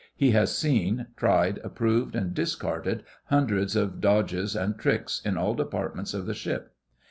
He has seen, tried, approved, and discarded hundreds of dodges and tricks in all departments of the ship.